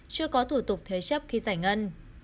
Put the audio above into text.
chưa có thủ tục thế chấp khi giải ngân